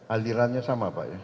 alirannya sama pak ya